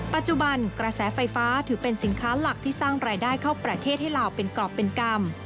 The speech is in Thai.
ปัจจุบันกระแสไฟฟ้าถือเป็นสินค้าหลักที่สร้างรายได้เข้าประเทศให้ลาวเป็นกรอบเป็นกรรม